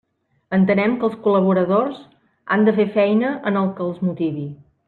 Entenem que els col·laboradors han de fer feina en el que els motivi.